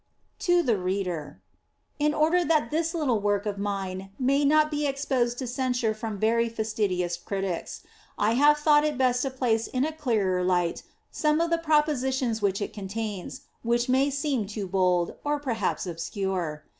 TO THE READER. IN order that this little work of mine may not be exposed to censure from very fastidious critics, I have thought it best to place in a clearer light some of the proposition* which it contains, and which may seem too bold, or perhaps ob scure.